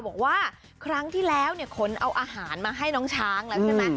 บอกว่าครั้งที่แล้วเนี่ยขนเอาอาหารมาให้น้องช้างแล้วใช่ไหม